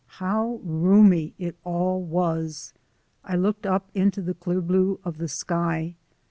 How roomy it all was! I looked up into the clear blue of the sky.